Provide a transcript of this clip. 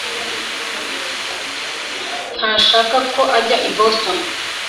ntashaka ko ajya i boston